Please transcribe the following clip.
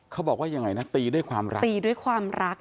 เขาบอกว่ายังไงนะตีด้วยความรัก